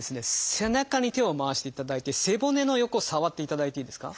背中に手を回していただいて背骨の横触っていただいていいですか。